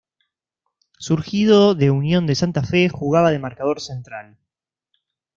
Surgido de Unión de Santa Fe, jugaba de marcador central.